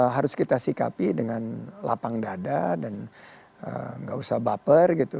harus kita sikapi dengan lapang dada dan nggak usah baper gitu